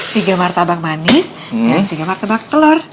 tiga martabak manis dan tiga martabak telur